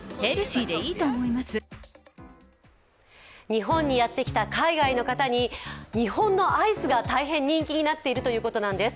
日本にやってきた海外の方に日本のアイスが大変人気になっているということなんです。